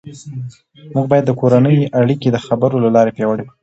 موږ باید د کورنۍ اړیکې د خبرو له لارې پیاوړې کړو